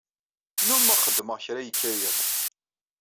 Nnumeɣ xeddmeɣ kra ikka yiḍ.